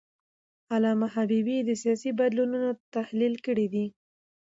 علامه حبیبي د سیاسي بدلونونو تحلیل کړی دی.